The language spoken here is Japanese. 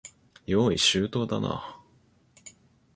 用意周到だな。